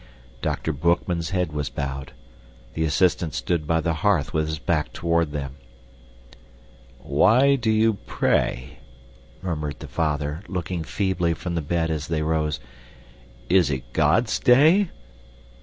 Dr. Boekman's head was bowed; the assistant stood by the hearth with his back toward them. "Why do you pray?" murmured the father, looking feebly from the bed as they rose. "Is it God's day?"